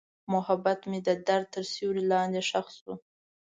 محبت مې د درد تر سیوري لاندې ښخ شو.